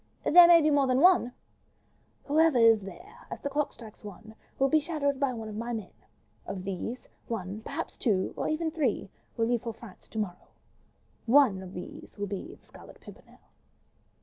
"There may be more than one." "Whoever is there, as the clock strikes one, will be shadowed by one of my men; of these, one, or perhaps two, or even three, will leave for France to morrow. One of these will be the 'Scarlet Pimpernel.